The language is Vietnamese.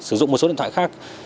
sử dụng một số điện thoại khác